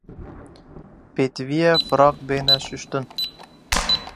Pêdivî ye firaq bêne şuştin